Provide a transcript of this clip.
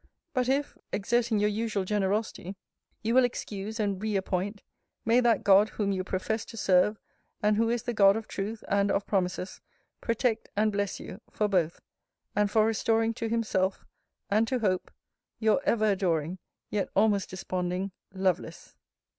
] But if, exerting your usual generosity, you will excuse and re appoint, may that God, whom you profess to serve, and who is the God of truth and of promises, protect and bless you, for both; and for restoring to himself, and to hope, Your ever adoring, yet almost desponding, LOVELACE!